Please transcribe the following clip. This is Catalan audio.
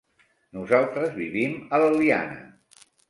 Nosaltres vivim a l'Eliana.